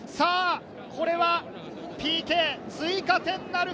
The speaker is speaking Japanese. これはＰＫ、追加点なるか？